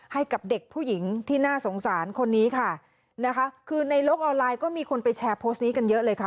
ให้กับเด็กผู้หญิงที่น่าสงสารคนนี้ค่ะนะคะคือในโลกออนไลน์ก็มีคนไปแชร์โพสต์นี้กันเยอะเลยค่ะ